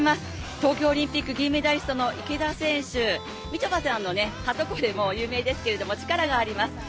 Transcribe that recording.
東京オリンピック銀メダリストの池田選手みちょぱさんのはとこでも有名ですけど力があります。